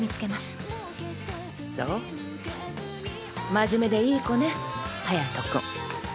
真面目でいい子ね隼君。